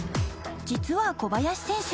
実は小林選手